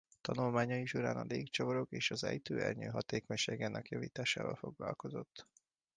Tanulmányai során a légcsavarok és az ejtőernyő hatékonyságának javításával foglalkozott.